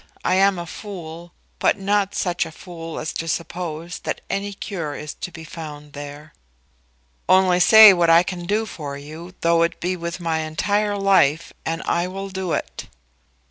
I am a fool, but not such a fool as to suppose that any cure is to be found there." "Only say what I can do for you, though it be with my entire life, and I will do it."